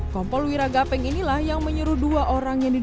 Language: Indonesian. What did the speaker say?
kompol wiragapeng inilah yang menyuruh dua orang yang diduga